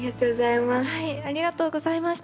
ありがとうございます。